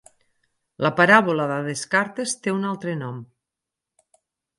La paràbola de Descartes té un altre nom.